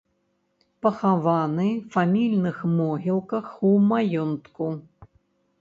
Пахаваны фамільных могілках ў маёнтку.